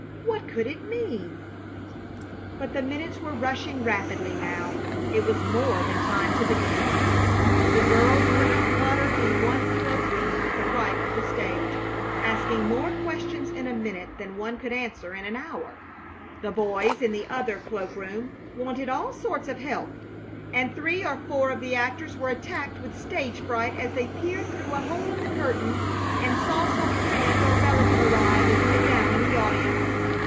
What could it mean? But the minutes were rushing rapidly now. It was more than time to begin. The girls were in a flutter in one cloak room at the right of the stage, asking more questions in a minute than one could answer in an hour; the boys in the other cloak room wanted all sorts of help; and three or four of the actors were attacked with stage fright as they peered through a hole in the curtain and saw some friend or relative arrive and sit down in the audience.